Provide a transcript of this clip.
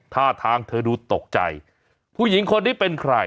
ท่าทางเธอดูตกใจผู้หญิงคนนี้เป็นใคร